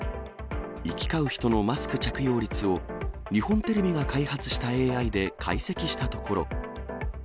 行き交う人のマスク着用率を、日本テレビが開発したＡＩで解析したところ。